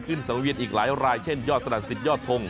ขึ้นสำเวียนอีกหลายรายเช่นยอดสนานศิษย์ยอดทง